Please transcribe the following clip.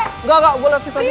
enggak enggak gue liat situannya